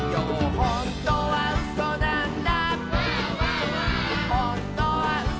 「ほんとにうそなんだ」